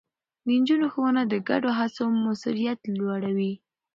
د نجونو ښوونه د ګډو هڅو موثريت لوړوي.